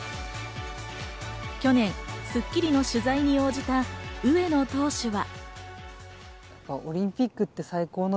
去年、『スッキリ』の取材に応じた上野投手は。